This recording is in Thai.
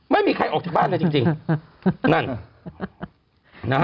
ไม่มีใครออกจากบ้านเลยจริง